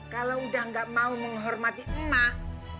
kalau udah gak mau menghormati emak